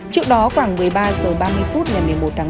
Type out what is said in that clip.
trước đó khoảng một mươi ba h ba mươi phút ngày một mươi một tháng năm